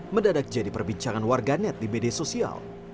mendadak jadi perbincangan warganet di media sosial